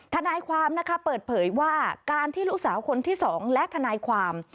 ทนายความนะคะเปิดเผยว่าการที่ลูกสาวคนที่๒และทนายความ